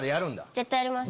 絶対やります。